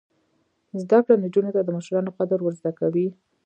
زده کړه نجونو ته د مشرانو قدر ور زده کوي.